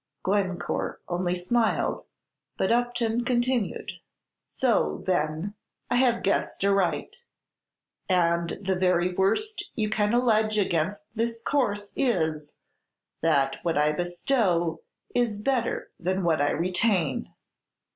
Glencore only smiled, but Upton continued, "So, then, I have guessed aright; and the very worst you can allege against this course is, that what I bestow is better than what I retain!"